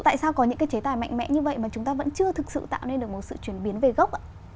tại sao có những cái chế tài mạnh mẽ như vậy mà chúng ta vẫn chưa thực sự tạo nên được một sự chuyển biến về gốc ạ